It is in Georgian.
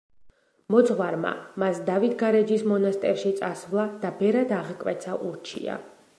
მოძღვარმა მას დავით გარეჯის მონასტერში წასვლა და ბერად აღკვეცა ურჩია.